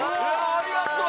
ありがとう。